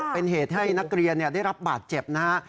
เป็นเหตุให้นักเรียนได้รับบาดเจ็บนะฮะ